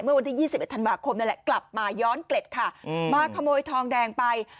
เมื่อวันที่๒๑ธันวาคมนั่นแหละกลับมาย้อนเกล็ดค่ะมาขโมยทองแดงไป